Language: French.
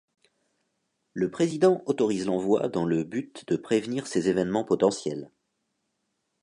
Le président autorise l'envoi dans le but de prévenir ces évènements potentiels.